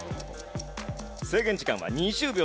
制限時間は２０秒です。